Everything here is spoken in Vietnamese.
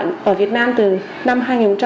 nó tồn tại ở việt nam từ năm hai nghìn một mươi chín